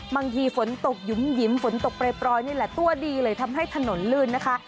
ฝนตกหยุ่มหิมฝนตกปล่อยนี่แหละตัวดีเลยทำให้ถนนลื่นนะคะ